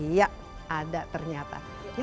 ya ada ternyata